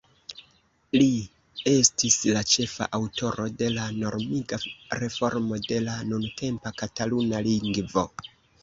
Li estis la ĉefa aŭtoro de la normiga reformo de la nuntempa Kataluna lingvo.